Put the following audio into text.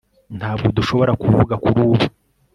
ntabwo dushobora kuvuga kuri ubu